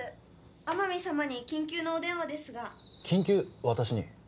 天海様に緊急のお電話ですが緊急私に？